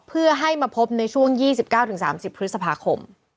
เพื่อให้มาพบในช่วง๒๙๓๐พฤษภาคม